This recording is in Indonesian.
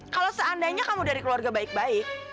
kalau seandainya kamu dari keluarga baik baik